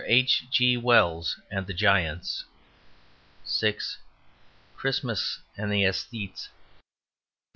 H. G. Wells and the Giants 6. Christmas and the Esthetes 7.